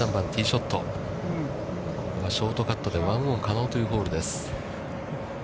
ショートカットでワンオン可能というホールです。